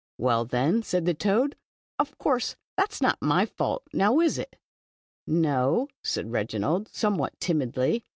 •'Well, then," said the toad, "of course, that is not my fault, now is it? " "No," said Reginald, somewhat timidly.